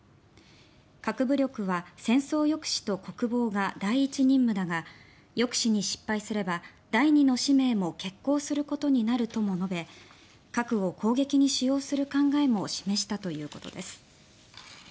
核武力は戦争抑止と国防が第１任務だが抑止に失敗すれば、第２の使命も決行することになるとも述べ核を攻撃に使用する考えも示したということです。